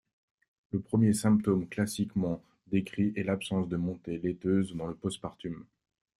Le premier symptôme classiquement décrit est l'absence de montée laiteuse dans le post-partum.